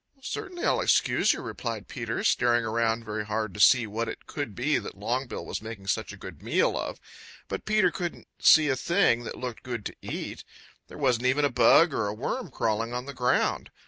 "Certainly I'll excuse you," replied Peter, staring around very hard to see what it could be Longbill was making such a good meal of. But Peter couldn't see a thing that looked good to eat. There wasn't even a bug or a worm crawling on the ground.